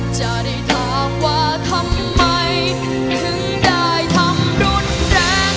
จะได้ถามว่าทำไมถึงได้ทำรุนแรง